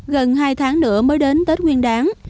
gần hai tháng nữa mới đến tết nguyên đáng